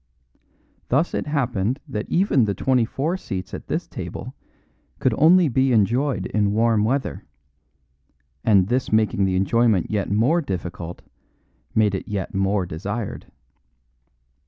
Thus it happened that even the twenty four seats at this table could only be enjoyed in warm weather; and this making the enjoyment yet more difficult made it yet more desired.